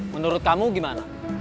menurut kamu gimana